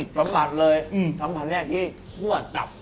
สำหรับเลยสำหรับแผ่นแห้งที่กลัวจับ